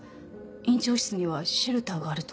院長室にはシェルターがあると。